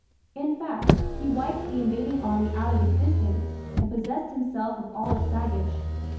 In fact, he wiped the invading army out of existence and possessed himself of all its baggage.